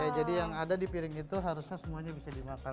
oke jadi yang ada di piring itu harusnya semuanya bisa dimakan